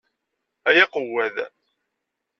Ay aqewwad!